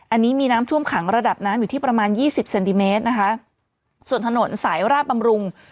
อันนี้มีน้ำท่วมขังระดับน้ำอยู่ที่ประมาณยี่สิบเซนติเมตรนะคะส่วนถนนสายราบบำรุง